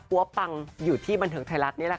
ปังอยู่ที่บันเทิงไทยรัฐนี่แหละค่ะ